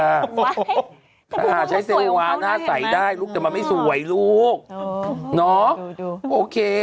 แต่ผมรู้ว่าสวยเหมือนเขานะเห็นไหมโอ้โฮใช้เซวาหน้าใส่ได้ลูกจะมาไม่สวยลูกโอ้โฮดูโอเค